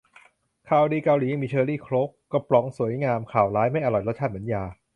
ข่าวดี เกาหลียังมีเชอร์รี่โค้ก กระป๋องสวยงาม ข่าวร้าย ไม่อร่อย รสชาติเหมือนยา